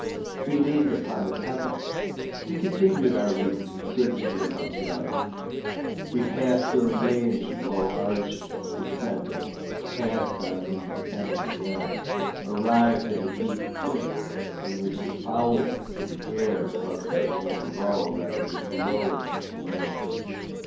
He leaned upon it heavily. We continued our route in search of the Amontillado. We passed through a range of low arches, descended, passed on, and descending again, arrived at a deep crypt, in which the foulness of the air caused our flambeaux rather to glow than flame.